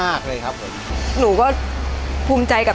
อายุ๒๔ปีวันนี้บุ๋มนะคะ